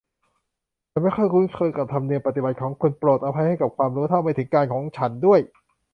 ฉันไม่ค่อยคุ้นเคยกับธรรมเนียมปฏิบัติของคุณ โปรดอภัยให้กับความรู้เท่าไม่ถึงการณ์ของฉันด้วย